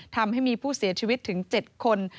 ทำให้มีผู้เสียชีวิตถึง๗คน